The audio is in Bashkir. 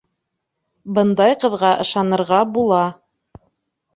Бындай ҡыҙға ышанырға була.